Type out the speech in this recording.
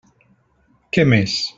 Què més?